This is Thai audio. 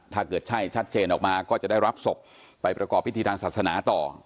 ถ้าเกิดใช่ชัดเจนออกมาก็จะได้รับศพไปประกอบพิธีทางศาสนาต่อ